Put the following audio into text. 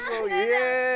イエイ！